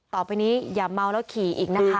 ต่อไปนี้อย่าเมาแล้วขี่อีกนะคะ